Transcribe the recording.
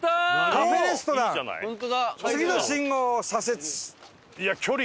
「カフェレストラン次の信号を左折」